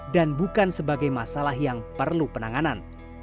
dan bukan sebagai masalah yang perlu penanganan